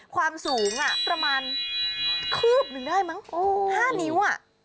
ความสูงประมาณคืบหนึ่งได้มั้ง๕นิ้ว